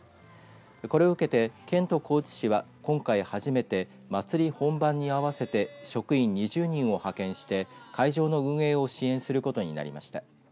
これを受けて県と高知市は今回初めて、祭り本番に合わせて職員２０人を派遣して会場の運営を支援することになりました。